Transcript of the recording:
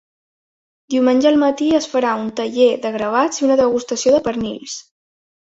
Diumenge al matí es farà un taller de gravats i una degustació de pernils.